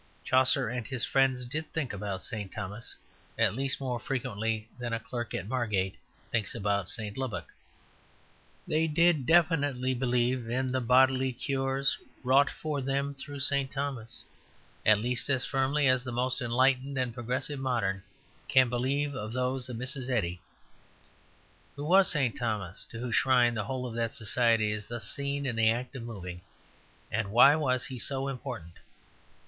Chaucer and his friends did think about St. Thomas, at least more frequently than a clerk at Margate thinks about St. Lubbock. They did definitely believe in the bodily cures wrought for them through St. Thomas, at least as firmly as the most enlightened and progressive modern can believe in those of Mrs. Eddy. Who was St. Thomas, to whose shrine the whole of that society is thus seen in the act of moving; and why was he so important?